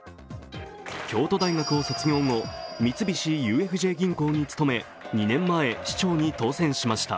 京都大学を卒業後、三菱ＵＦＪ銀行に勤め２年前、主張に当選しました。